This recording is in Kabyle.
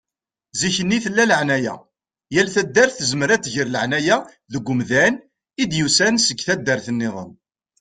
Zikk-nni tella laεnaya. Yal taddart tezmer ad tger laεnaya deg umdan i d-yusan seg taddart-nniḍen.